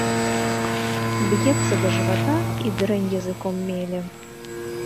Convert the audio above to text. Б'ецца да жывата і дрэнь языком меле.